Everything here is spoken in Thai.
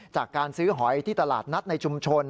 จากการซื้อหอยที่ตลาดนัดในชุมชน